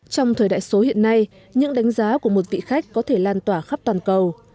trong thời đại số hiện nay những đánh giá của một vị khách có thể lan tỏa khắp toàn cầu